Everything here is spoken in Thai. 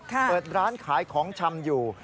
เปิดร้านขายของชำอยู่